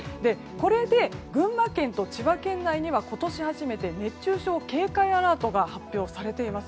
これで、群馬県と千葉県内には今年初めて熱中症警戒アラートが発表されています。